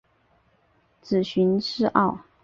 子荀逝敖。